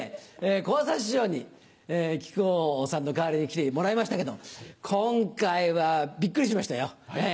小朝師匠に木久扇さんの代わりに来てもらいましたけども今回はビックリしましたよええ。